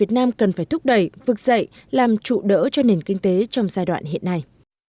việt nam cần phải thúc đẩy vực dậy làm trụ đỡ cho nền kinh tế trong giai đoạn hiện nay